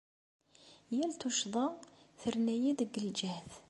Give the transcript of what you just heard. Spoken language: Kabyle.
Yal tuccḍa terna-yi-d deg lǧehd.